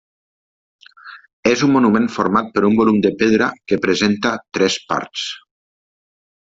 És un monument format per un volum de pedra que presenta tres parts.